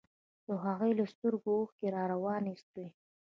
د هغوى له سترګو اوښكې روانې سوې.